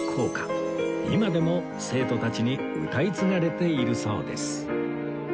今でも生徒たちに歌い継がれているそうです